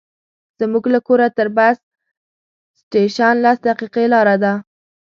زموږ له کوره تر بس سټېشن لس دقیقې لاره ده.